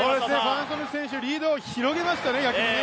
ファン・ソヌ選手、リードを広げましたね。